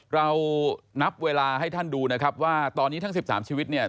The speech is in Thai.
เรานับเวลาให้ท่านดูนะครับว่าตอนนี้ทั้ง๑๓ชีวิตเนี่ย